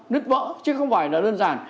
nứt vỡ chứ không phải là đơn giản